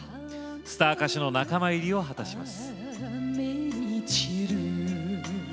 スター歌手の仲間入りを果たします。